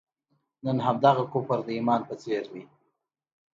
نن همدغه کفر د ایمان په څېر دی.